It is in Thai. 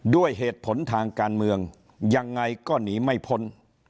ด้วยเหตุผลทางการเมืองยังไงก็หนีไม่พ้น